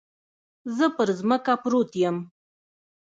زه پر ځمکه پروت يم.